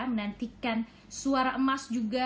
menantikan suara emas juga